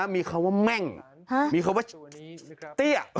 มีคำว่าเตี้ย